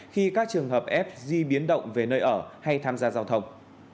khi các trường hợp f di biến động về nơi ở hay tham gia giao thông